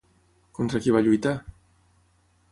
Contra qui va lluitar?